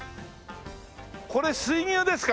これ水牛ですか？